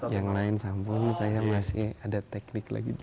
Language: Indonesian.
yang lain sambung saya masih ada teknik lagi